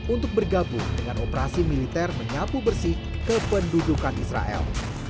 untuk bergabung dengan operasi militer menyapu bersih kependudukan israel